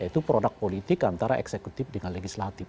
yaitu produk politik antara eksekutif dengan legislatif